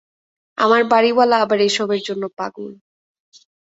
আমার বাড়ীওয়ালী আবার এসবের জন্য পাগল।